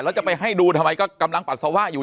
แล้วจะไปให้ดูทำไมก็กำลังปัสสาวะอยู่